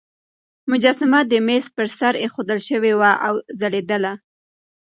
مجسمه د مېز پر سر ایښودل شوې وه او ځلېدله.